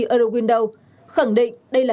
eurowindow khẳng định đây là